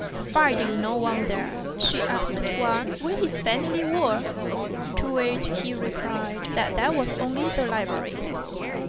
Finding no One there, she asked Wang where his family were ; to which he replied that that was only the library.